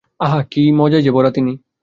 আহা, কি যে মজায় ভরা তিনি।